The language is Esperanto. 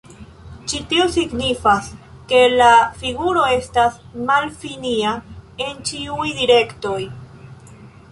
Ĉi tio signifas ke la figuro estas malfinia en ĉiuj direktoj.